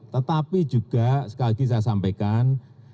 tetapi juga sekali lagi saya sampaikan